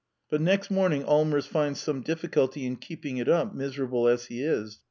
But next morning Allmers finds some difficulty in keep ing it up, miserable as he is.